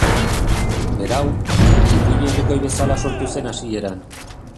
Berau, ipuin herrikoi bezala sortu zen hasieran.